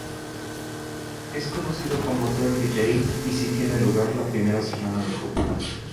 Es conocido como "Derby Day" y tiene lugar la primera semana de junio.